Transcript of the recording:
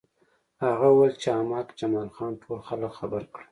هغه وویل چې احمق جمال خان ټول خلک خبر کړل